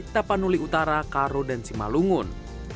tapanuli utara karo dan simalungun